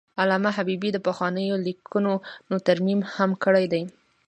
علامه حبیبي د پخوانیو لیکنو ترمیم هم کړی دی.